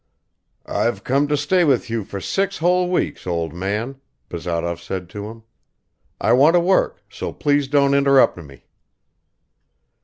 "I've come to stay with you for six whole weeks, old man," Bazarov said to him. "I want to work, so please don't interrupt me."